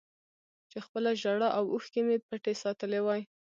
چې خپله ژړا او اوښکې مې پټې ساتلې وای